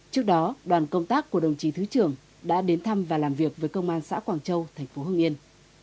trước đó đoàn công tác của đồng chí thứ trưởng đã đến thăm và làm việc với công an xã quảng châu tp hương yên